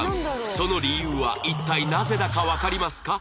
その理由は一体なぜだかわかりますか？